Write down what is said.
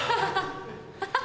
ハハハ！